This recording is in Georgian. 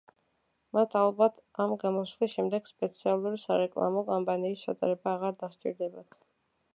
მათ ალბათ, ამ გამოსვლის შემდეგ, სპეციალური სარეკლამო კამპანიის ჩატარება აღარ დასჭირდებათ.